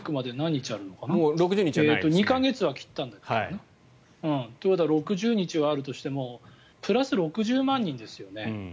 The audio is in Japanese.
２か月は切ったのか。ということは６０日はあるにしてもプラス６０万人ですよね。